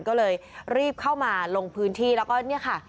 ก็เลยรีบเข้ามาลงพื้นที่แล้วก็เนี่ยค่ะ